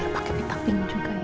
pakai pita pink juga ya